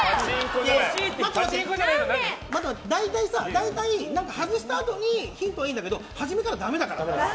大体、外したあとにヒントはいいんだけど初めからはダメだからね。